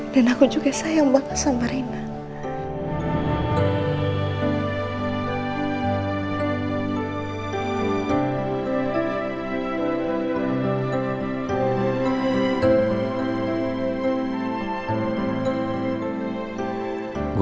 dan aku juga sayang banget sama raina